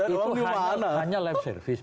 itu hanya lab service